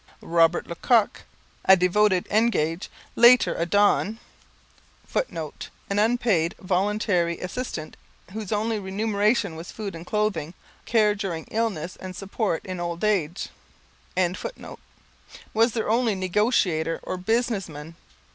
Robert Le Coq, a devoted engage, later a donne, [Footnote: An unpaid, voluntary assistant whose only remuneration was food and clothing, care during illness, and support in old age.] was their 'negotiator' or business man.